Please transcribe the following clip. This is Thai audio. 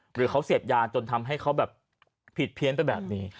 หรือเขาเสพยาจนทำให้เขาแบบผิดเพี้ยนไปแบบนี้